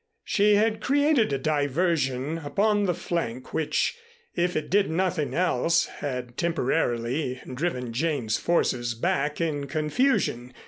She had created a diversion upon the flank, which, if it did nothing else, had temporarily driven Jane's forces back in confusion.